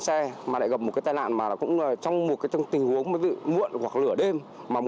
xe mà lại gặp một cái tai nạn mà cũng là trong một cái trong tình huống mới bị muộn hoặc lửa đêm mà